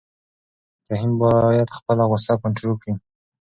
رحیم باید خپله غوسه کنټرول کړي.